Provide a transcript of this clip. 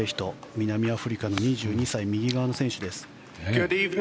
南アフリカの２２歳右側の選手です。